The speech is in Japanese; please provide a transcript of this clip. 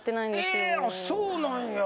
そうなんや。